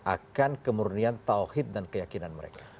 akan kemurnian tawhid dan keyakinan mereka